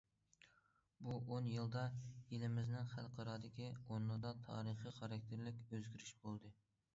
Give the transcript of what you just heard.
بۇ ئون يىلدا ئېلىمىزنىڭ خەلقئارادىكى ئورنىدا تارىخىي خاراكتېرلىك ئۆزگىرىش بولدى.